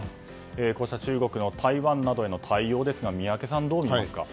こうした中国の台湾などへの対応ですが宮家さんはどう見ますか？